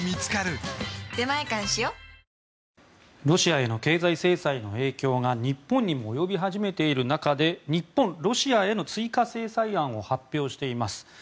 ロシアへの経済制裁の影響が日本にも及び始めている中で日本、ロシアへの追加制裁案を発表しています。